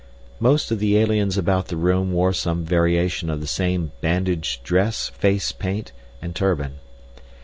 Most of the aliens about the room wore some variation of the same bandage dress, face paint, and turban.